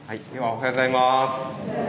おはようございます。